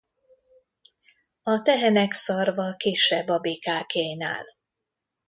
A tehenek szarva kisebb a bikákénál.